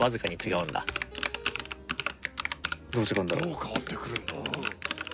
どう変わってくるんだ？